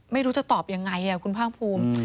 ไม่รู้จะตอบยังไงคุณภาคภูมิ